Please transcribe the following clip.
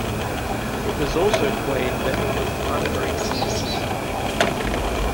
It was also claimed that it was an unbreakable system.